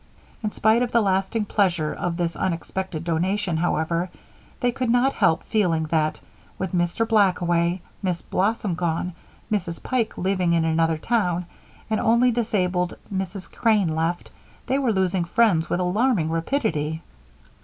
In spite of the lasting pleasure of this unexpected donation, however, they could not help feeling that, with Mr. Black away, Miss Blossom gone, Mrs. Pike living in another town, and only disabled Mrs. Crane left, they were losing friends with alarming rapidity.